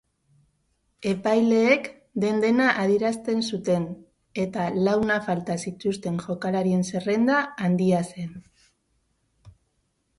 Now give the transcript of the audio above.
Epaileek den-dena adierazten zuten eta launa falta zituzten jokalarien zerrenda handia zen.